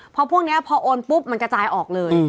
เพราะพวกนี้อันนี้ก็ปุ๊บมันกระจายออกเลย